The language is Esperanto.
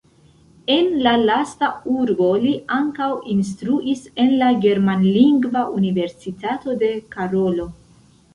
En la lasta urbo li ankaŭ instruis en la germanlingva Universitato de Karolo.